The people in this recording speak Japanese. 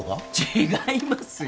違いますよ